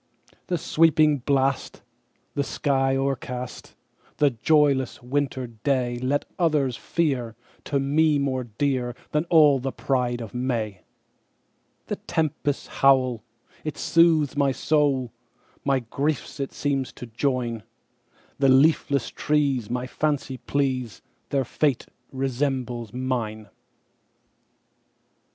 "The sweeping blast, the sky o'ercast,"The joyless winter dayLet others fear, to me more dearThan all the pride of May:The tempest's howl, it soothes my soul, My griefs it seems to join; The leafless trees my fancy please, Their fate resembles mine!